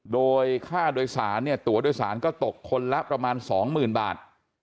โดยค่าโดยสารเนี่ยตัวโดยสารก็ตกคนละประมาณ๒๐๐๐บาท